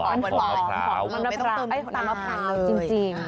มันน้ำพร้าวจริง